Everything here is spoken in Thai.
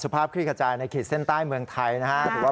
สุภาพคลิกคลัญในขีดเส้นใต้เมืองไทยนะฮะ